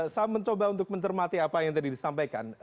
saya mencoba untuk mencermati apa yang tadi disampaikan